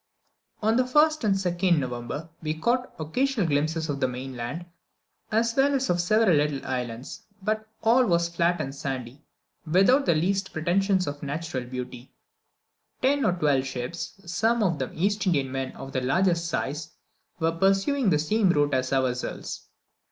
On the 1st and 2nd of November we caught occasional glimpses of the mainland, as well as of several little islands; but all was flat and sandy, without the least pretensions to natural beauty. Ten or twelve ships, some of them East Indiamen of the largest size, were pursuing the same route as ourselves.